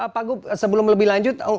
pak gub sebelum lebih lanjut